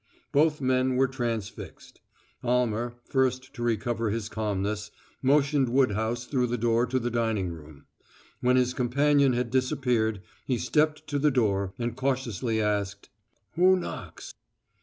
Both men were transfixed. Almer, first to recover his calmness, motioned Woodhouse through the door to the dining room. When his companion had disappeared, he stepped to the door and cautiously asked: "Who knocks?"